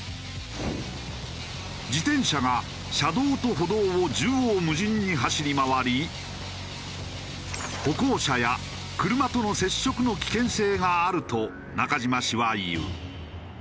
自転車が車道と歩道を縦横無尽に走り回り歩行者や車との接触の危険性があると中島氏は言う。